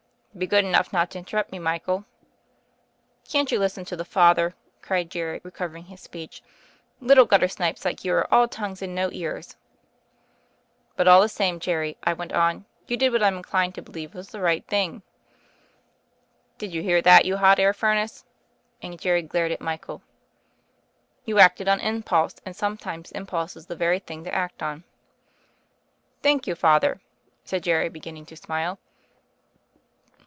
"Be good enough not to interrupt me, Michael." "Can't you listen to the Father," cried Jerry recovering his speech. "Little guttersnipes like you are all tongue and no ears." THE FAIRY OF THE SNOWS 65 ^ "But all the same, Jerry," I went on, "you did what Vm inclined to believe was the right thing." "Did you hear that, you hot air furnace?" and Jerry glared at Michael. "You acted on impulse: and sometimes im pulse is the very thing to act upon." "Thank you. Father," said Jerry beginning to smile.